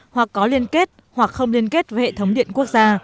hoặc có liên kết hoặc không liên kết với hệ thống điện quốc gia